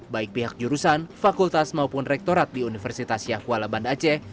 baik pihak jurusan fakultas maupun rektorat di universitas yahkuala banda aceh